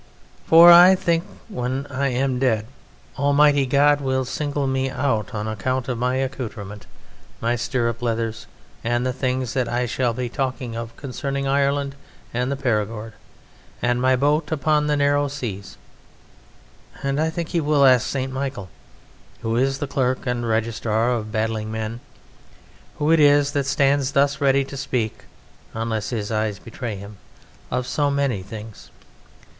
"For I think when I am dead Almighty God will single me out on account of my accoutrement, my stirrup leathers, and the things that I shall be talking of concerning Ireland and the Perigord, and my boat upon the narrow seas; and I think He will ask St. Michael, who is the Clerk and Registrar of battling men, who it is that stands thus ready to speak (unless his eyes betray him) of so many things?